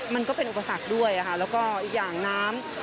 มันก็เป็นอุปสรรคด้วยค่ะแล้วก็อีกอย่างน้ำ